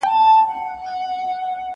زه به سبا سفر وکړم؟